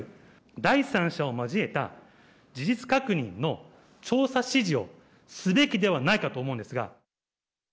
第三者を交えた事実確認の調査指示をすべきではないかと思うんですが。